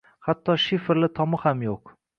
Hatto shiferli tomi ham yo`q